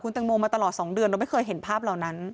คุณตะโกมาตว่า๒เดือนแล้วไม่เคยเห็นภาพเหล่านั้น